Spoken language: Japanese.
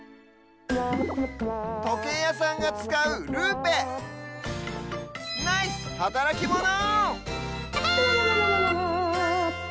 とけいやさんがつかうルーペナイスはたらきモノ！